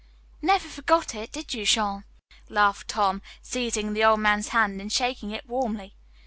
"Never forgot it, did you, Jean?" laughed Tom, seizing the old man's hand and shaking it warmly.